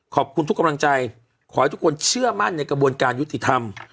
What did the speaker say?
ขอบคุณทุกกำลังใจขอให้ทุกคนเชื่อมั่นในกระบวนการยุติธรรม